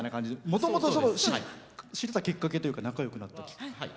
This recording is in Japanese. もともと知ったきっかけというか仲よくなったきっかけ。